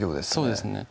そうですね